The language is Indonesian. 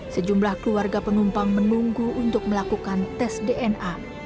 sejumlah keluarga penumpang menunggu untuk melakukan tes dna